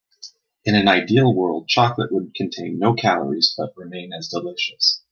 In an ideal world, chocolate would contain no calories but remain as delicious.